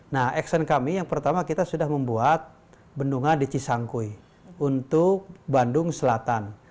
nah action kami yang pertama kita sudah membuat bendunga dicisangkui untuk bandung selatan